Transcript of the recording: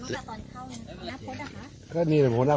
ไม่มีออกไม่ได้ให้เข้า